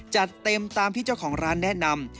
จัดเต็มตามที่เจ้าของร้านแนะนำ